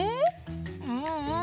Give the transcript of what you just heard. うんうん！